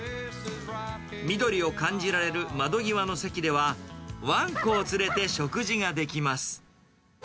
緑を感じられる窓際の席では、ワンコを連れて食事ができます。